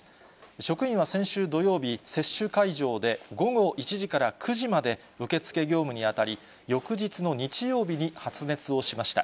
職員は先週土曜日、接種会場で午後１時から９時まで、受け付け業務に当たり、翌日の日曜日に発熱をしました。